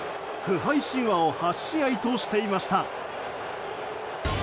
不敗神話を８試合としていました。